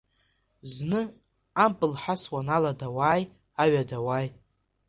Зны ампыл ҳасуан алада уааи, аҩада уааи.